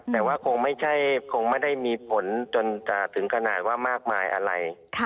แต่ว่าคงไม่ได้มีผลจนจะถึงขนาดว่ามากมายอะไร